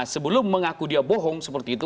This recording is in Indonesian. sebelum mengaku dia bohong seperti itu